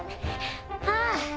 ああ！